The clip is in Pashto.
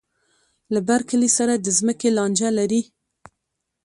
له بر کلي سره د ځمکې لانجه لري.